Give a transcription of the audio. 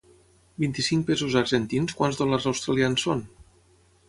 Vint-i-cinc pesos argentins quants dòlars australians són?